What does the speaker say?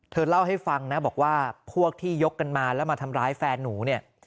เธอเล่าให้ฟังนะบอกว่าพวกที่ยกกันมาแล้วมาทำร้ายแฟนหนูเนี่ย